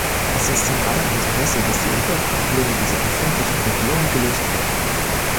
Es ist in aller Interesse, dass die Umweltprobleme dieser empfindlichen Region gelöst werden.